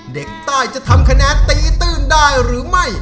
เด็กใต้จะทำคะแนนตีตื้นได้หรือไม่